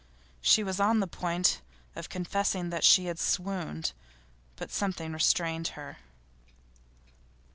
She was on the point of confessing that she had swooned, but something restrained her.